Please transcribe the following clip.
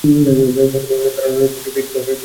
হয়তোবা তাঁরা লড়তে লড়তে বিক্ষিপ্ত হয়ে দূরে সরে গিয়েছিলেন।